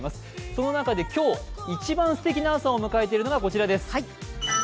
その中で今日、一番すてきな朝を迎えているのがこちらです。